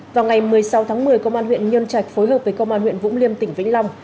vào ngày một mươi sáu tháng một mươi công an huyện nhân trạch phối hợp với công an huyện vũng liêm tỉnh vĩnh long